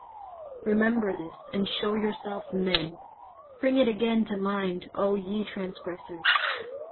23:046:008 Remember this, and shew yourselves men: bring it again to mind, O ye transgressors.